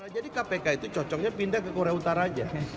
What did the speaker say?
jadi kpk itu cocoknya pindah ke korea utara saja